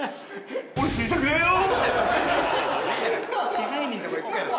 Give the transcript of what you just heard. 支配人のとこ行くから。